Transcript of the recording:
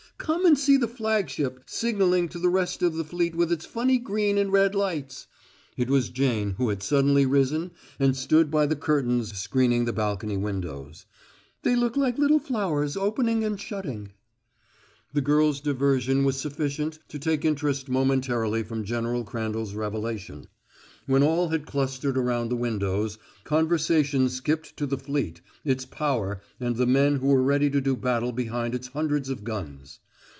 Come and see the flagship, signaling to the rest of the fleet with its funny green and red lights!" It was Jane who had suddenly risen and stood by the curtains screening the balcony windows. "They look like little flowers opening and shutting." The girl's diversion was sufficient to take interest momentarily from General Crandall's revelation. When all had clustered around the windows, conversation skipped to the fleet, its power, and the men who were ready to do battle behind its hundreds of guns.